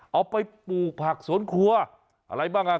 เอาไปปลูกผักสวนครัวอะไรบ้างอ่ะ